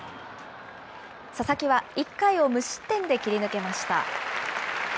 佐々木は１回を無失点で切り抜けました。